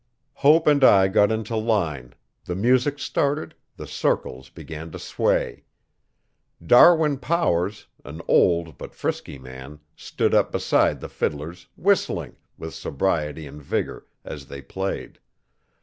Hope and I got into line, the music started, the circles began to sway. Darwin Powers, an old but frisky man, stood up beside the fiddlers, whistling, with sobriety and vigour, as they played.